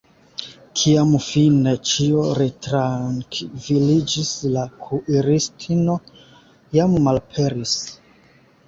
Kiam fine ĉio retrankviliĝis, la kuiristino jam malaperis.